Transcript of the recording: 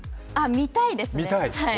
見たいですね。